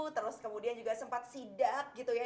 terus kemudian juga sempat sidak gitu ya